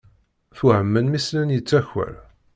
Twehhmen mi slan yeṭṭaxer.